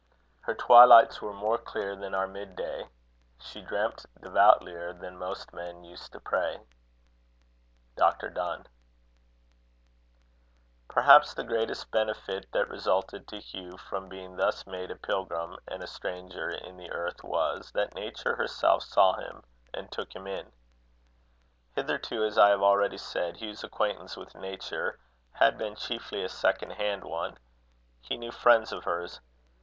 Her twilights were more clear than our mid day; She dreamt devoutlier than most used to pray. DR. DONNE. Perhaps the greatest benefit that resulted to Hugh from being thus made a pilgrim and a stranger in the earth, was, that Nature herself saw him, and took him in, Hitherto, as I have already said, Hugh's acquaintance with Nature had been chiefly a second hand one he knew friends of hers.